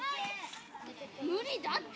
無理だって！